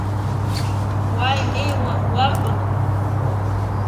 Уа инеиуа уарбану?